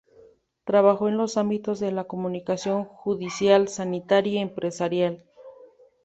Trabajó en los ámbitos de la comunicación judicial, sanitaria y empresarial.